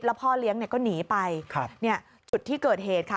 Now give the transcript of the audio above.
แล้วพ่อเลี้ยงก็หนีไปจุดที่เกิดเหตุค่ะ